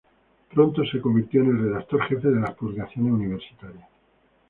Pronto se convirtió en el redactor jefe de las publicaciones universitarias.